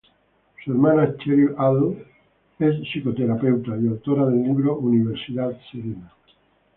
Su hermana Cheryl Adler es psicoterapeuta, y autora del libro "Universidad Serena.